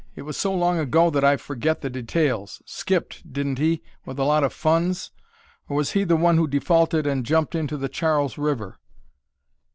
It was so long ago that I forget the details. Skipped, didn't he, with a lot of funds? Or was he the one who defaulted and jumped into the Charles River?"